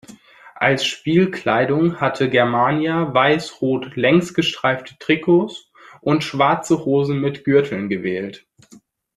Als Spielkleidung hatte Germania weiß-rot-längsgestreifte Trikots und schwarze Hosen mit Gürteln gewählt.